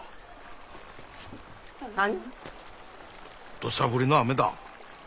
どしゃ降りの雨だ。